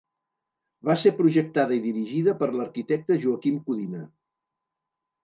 Va ser projectada i dirigida per l'arquitecte Joaquim Codina.